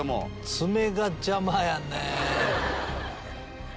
爪が邪魔やね。